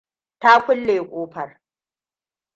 Ta kulle kofar.